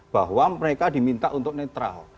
bahwa mereka diminta untuk netral